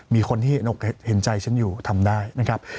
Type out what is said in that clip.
มีคนที่เห็นใจฉันอยู่ทำได้นะครับ